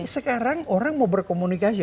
sekarang orang mau berkomunikasi